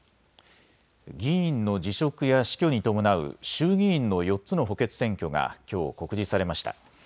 議員の辞職や死去に伴う衆議院の４つの補欠選挙がきょう告示されました。